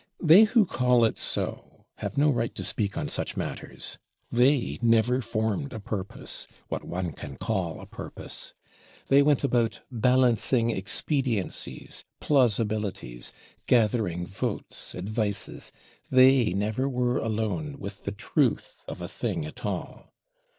They who call it so, have no right to speak on such matters. They never formed a purpose, what one can call a purpose. They went about balancing expediencies, plausibilities; gathering votes, advices; they never were alone with the truth of a thing at all.